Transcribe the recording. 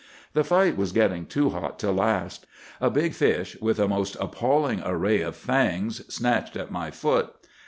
"The fight was getting too hot to last. A big fish, with a most appalling array of fangs, snatched at my foot.